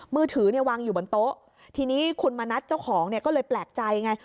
มือถือวางอยู่บนโต๊ะทีนี้คุณมณัสเจ้าของก็เลยแปลกใจไง